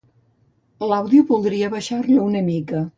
L'àudio voldria abaixar-lo una mica.